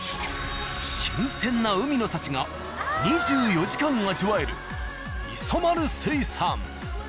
新鮮な海の幸が２４時間味わえる「磯丸水産」。